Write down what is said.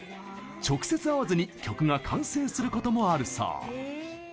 直接会わずに曲が完成することもあるそう。